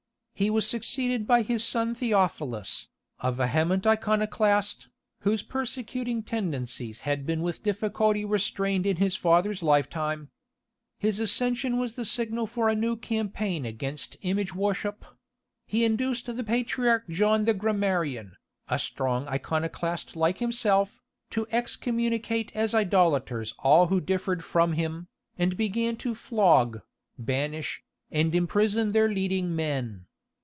He was succeeded by his son Theophilus, a vehement Iconoclast, whose persecuting tendencies had been with difficulty restrained in his father's life time. His accession was the signal for a new campaign against image worship; he induced the patriarch John the Grammarian, a strong Iconoclast like himself, to excommunicate as idolaters all who differed from him, and began to flog, banish, and imprison their leading men.